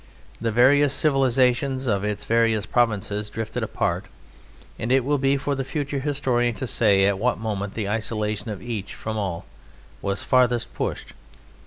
The various civilizations of its various provinces drifted apart, and it will be for the future historian to say at what moment the isolation of each from all was farthest pushed.